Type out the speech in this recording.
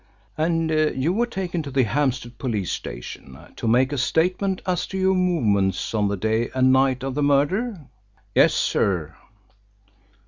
"And you were taken to the Hampstead Police Station to make a statement as to your movements on the day and night of the murder?" "Yes, sir."